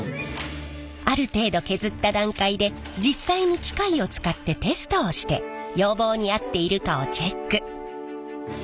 ある程度削った段階で実際に機械を使ってテストをして要望に合っているかをチェック。